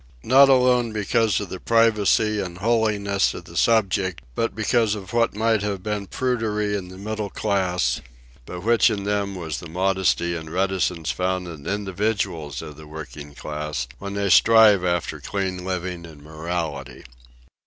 Not alone because of the privacy and holiness of the subject, but because of what might have been prudery in the middle class, but which in them was the modesty and reticence found in individuals of the working class when they strive after clean living and morality.